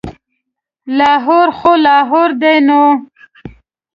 لاهور خو لاهور دی نو.